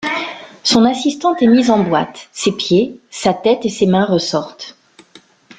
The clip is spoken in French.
Son assistante est mise en boîte, ses pieds, sa tête et ses mains ressortent.